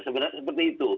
sebenarnya seperti itu